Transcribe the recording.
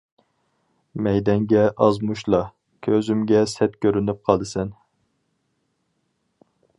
مەيدەڭگە ئاز مۇشلا، كۆزۈمگە سەت كۆرۈنۈپ قالىسەن!